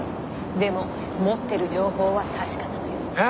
でも持ってる情報は確かなのよ。